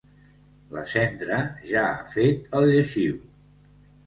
La cendra ja ha fet el lleixiu.